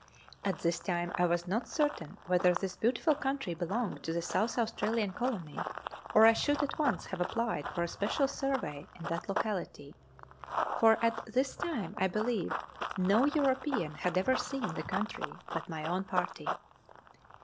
At this time I was not certain whether this beautiful country belonged to the South Australian colony, or I should at once have applied for a special survey in that locality, for at this time I believe no European had ever seen the country but my own party.